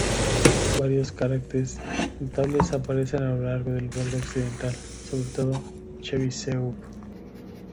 Varios cráteres notables aparecen a lo largo del borde occidental, sobre todo "Chebyshev U".